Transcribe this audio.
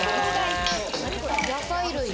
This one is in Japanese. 野菜類。